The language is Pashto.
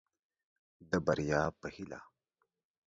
د بريا په هيله.